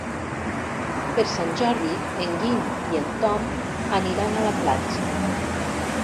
Per Sant Jordi en Guim i en Tom aniran a la platja.